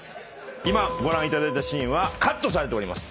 今ご覧いただいたシーンはカットされております。